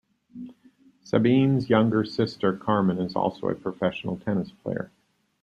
Sabine's younger sister, Carmen, is also a professional tennis player.